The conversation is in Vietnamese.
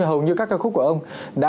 hầu như các ca khúc của ông